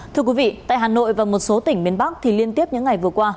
thưa quý vị tại hà nội và một số tỉnh miền bắc thì liên tiếp những ngày vừa qua